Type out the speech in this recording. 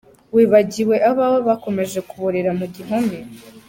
Wibagiwe abawe bakomeje kuborera mugihome ?